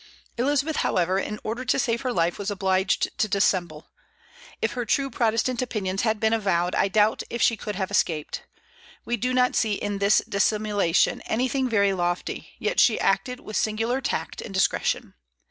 Elizabeth, however, in order to save her life, was obliged to dissemble. If her true Protestant opinions had been avowed, I doubt if she could have escaped. We do not see in this dissimulation anything very lofty; yet she acted with singular tact and discretion.